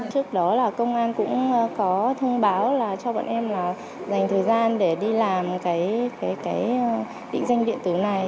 trước đó là công an cũng có thông báo là cho bọn em là dành thời gian để đi làm cái định danh điện tử này